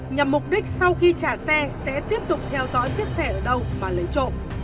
nhằm mục đích sau khi trả xe sẽ tiếp tục theo dõi chiếc xe ở đâu và lấy trộm